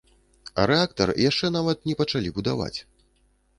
А рэактар яшчэ нават не пачалі будаваць.